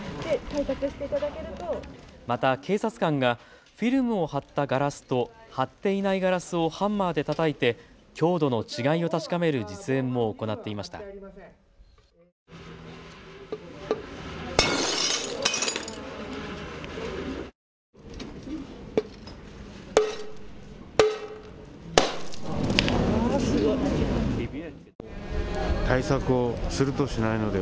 また、警察官がフィルムを貼ったガラスと貼っていないガラスをハンマーでたたいて強度の違いを確かめる実演も行っていました。